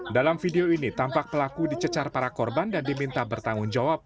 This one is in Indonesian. dalam video ini tampak pelaku dicecar para korban dan diminta bertanggung jawab